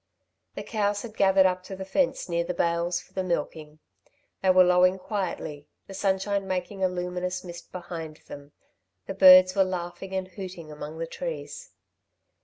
The cows had gathered up to the fence near the bails for the milking. They were lowing quietly, the sunshine making a luminous mist behind them; the birds were laughing and hooting among the trees.